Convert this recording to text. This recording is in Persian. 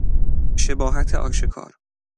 شباهت آشکار